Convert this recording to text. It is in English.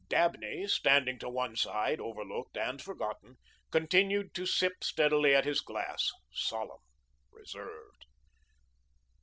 Dabney, standing to one side, overlooked and forgotten, continued to sip steadily at his glass, solemn, reserved.